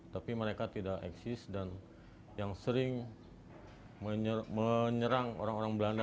tapi mereka tidak eksis dan yang sering menyerang orang orang belanda